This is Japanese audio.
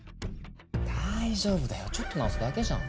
大丈夫だよちょっと直すだけじゃん。